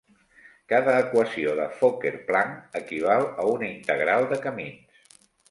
Cada equació de Fokker-Planck equival a una integral de camins.